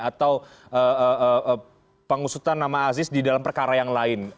atau pengusutan nama aziz di dalam perkara yang lain